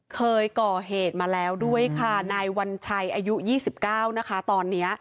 เคยก่อเหตุมาแล้วด้วยค่ะนายวัญชัยอายุ๒๙นะคะตอนนี้